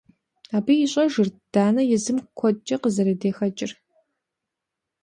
Абы ищӏэжырт Данэ езым куэдкӏэ къызэредэхэкӏыр.